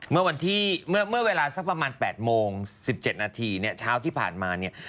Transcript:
เมื่อเวลาสักประมาณ๘โมง๑๗นาทีเนี่ยเช้าที่ผ่านมาเนี่ย